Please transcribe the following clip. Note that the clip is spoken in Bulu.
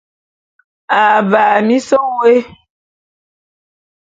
Avaa mis wôé.